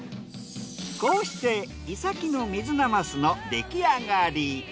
こうしてイサキの水なますの出来上がり。